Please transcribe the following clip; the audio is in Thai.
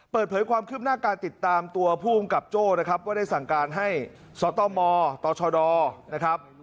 เปิดเผยความคืบหน้าการติดตามตัวผู้กำกับโจ้นะครับว่าได้สั่งการให้สตมตชดนะครับ